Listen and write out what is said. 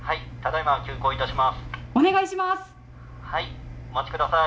お願いします！